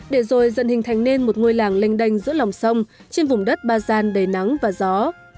để rồi dần hình thành nên một ngôi làng lênh đênh giữa lòng sông trên vùng đất ba gian đầy nắng và gió